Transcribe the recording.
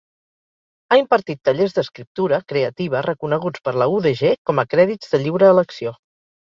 Ha impartit tallers d'escriptura creativa reconeguts per la UdG com a crèdits de lliure elecció.